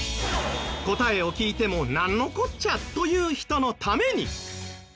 答えを聞いてもなんのこっちゃ？という人のために。